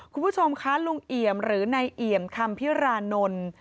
คุณผู้ชมคะลุงเอี่ยมหรือนายเอี่ยมคำพิรานนท์